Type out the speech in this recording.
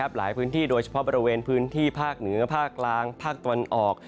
หลายพื้นที่โดยเฉพาะบริเวณพื้นที่ภาคเหนือภาคกลางภาคตะวันออก